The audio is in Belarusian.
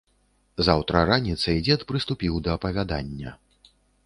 Заўтра раніцай дзед прыступіў да апавядання.